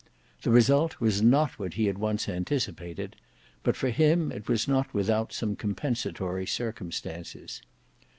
The result was not what he had once anticipated; but for him it was not without some compensatory circumstances.